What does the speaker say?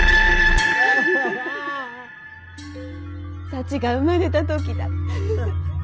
サチが生まれた時だ。